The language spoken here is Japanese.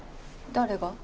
誰が？